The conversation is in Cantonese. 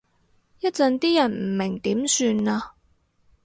一陣啲人唔明點算啊？